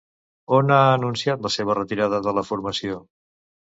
On ha anunciat la seva retirada de la formació?